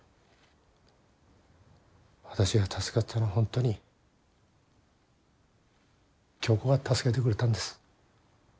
私が助かったのは本当に恭子が助けてくれたんです。